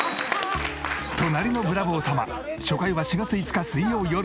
『隣のブラボー様』初回は４月５日水曜よる。